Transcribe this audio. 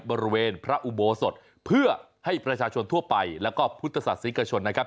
บริเวณพระอุโบสถเพื่อให้ประชาชนทั่วไปแล้วก็พุทธศาสนิกชนนะครับ